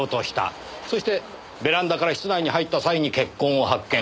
そしてベランダから室内に入った際に血痕を発見。